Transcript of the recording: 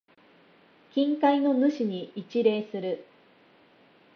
近海の主に一礼する。